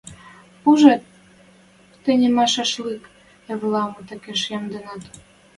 Ужат, тыменьшӓшлык ивлӓм такеш ямденӓт.